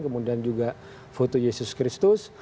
kemudian juga foto yesus kristus